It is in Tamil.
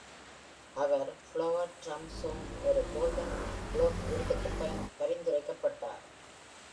அவர் "Flower Drum Song" ஒரு Golden Globe விருதுக்குப் பரிந்துரைக்கப்பட்டார்.